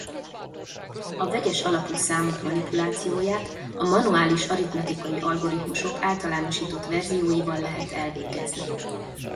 A vegyes alapú számok manipulációját a manuális aritmetikai algoritmusok általánosított verzióival lehet elvégezni.